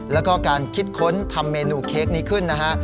แล้วก็การคิดค้นทำเมนูเค้กนี้ขึ้นนะฮะ